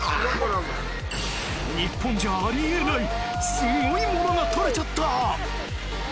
日本じゃあり得ないすごいものが撮れちゃった！